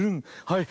はい。